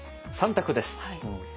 ３択です。